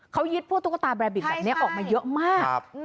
เขายึดพวกตุ๊กตาไบ่บิ่กเหมือนกันออกมาเยอะมาก